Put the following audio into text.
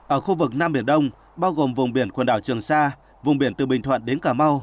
ở khu vực nam biển đông bao gồm vùng biển quần đảo trường sa vùng biển từ bình thuận đến cà mau